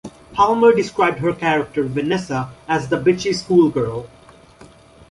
Palmer described her character, Vanessa, as "the bitchy schoolgirl".